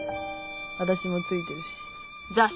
私もついてるし。